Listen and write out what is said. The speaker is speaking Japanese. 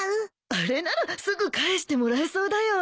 あれならすぐ返してもらえそうだよ。